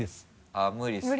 あっ無理ですか。